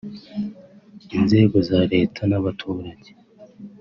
Inzego za Leta n’abaturage